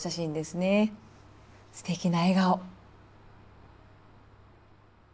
すてきな笑顔。